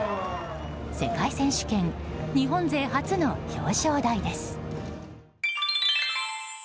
世界選手権日本勢初の表彰台です。